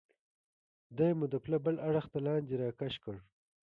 دی مو د پله بل اړخ ته لاندې را کش کړ.